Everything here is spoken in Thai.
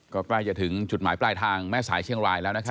ก็ใกล้จะถึงจุดหมายปลายทางแม่สายเชียงรายแล้ว